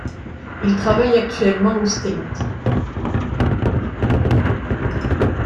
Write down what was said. Il travaille actuellement au St.